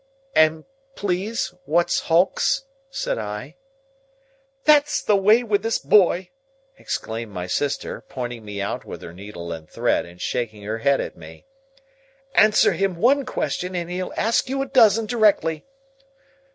"And please, what's Hulks?" said I. "That's the way with this boy!" exclaimed my sister, pointing me out with her needle and thread, and shaking her head at me. "Answer him one question, and he'll ask you a dozen directly.